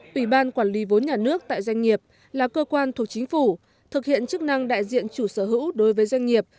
ủy ban quản lý vốn nhà nước tại doanh nghiệp là cơ quan thuộc chính phủ thực hiện chức năng đại diện chủ sở hữu đối với doanh nghiệp